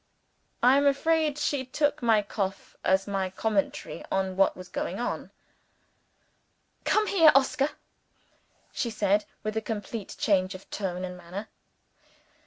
I am afraid she took my cough as my commentary on what was going on. "Come here, Oscar," she said, with a complete change of tone and manner.